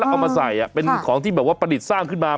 เอามาใส่เป็นของที่แบบว่าประดิษฐ์สร้างขึ้นมา